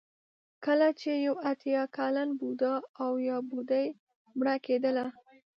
کله چې یو اتیا کلن بوډا او یا بوډۍ مړه کېدله.